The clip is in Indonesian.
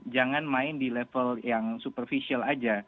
jangan main di level yang superficial aja